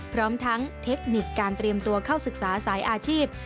พร้อมทั้งเทคนิคการเตรียมตัวเข้าศึกษาสายอาชีพ